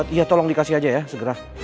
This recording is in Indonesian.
iya tolong dikasih aja ya segera